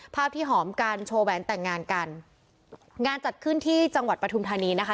ภาพที่หอมกันโชว์แหวนแต่งงานกันงานจัดขึ้นที่จังหวัดปฐุมธานีนะคะ